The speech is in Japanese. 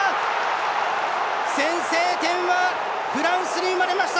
先制点はフランスに生まれました！